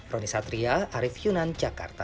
roni satria arief yunan jakarta